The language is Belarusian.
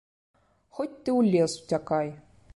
Хоць ты ў лес уцякай.